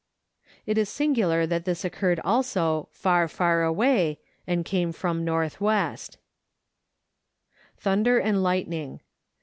It is singular that this occurred also " far, far away," and came from N.W. Thunder and Lightning.